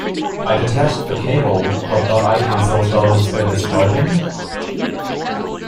I detached the cable, but the icon still shows it is charging?